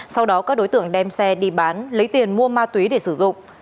sau đó các đối tượng đem xe đi bán lấy tiền mua ma túy để sử dụng